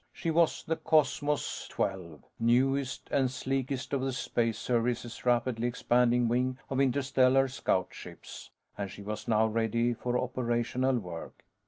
She was the Cosmos XII, newest and sleekest of the Space Service's rapidly expanding wing of interstellar scout ships, and she was now ready for operational work.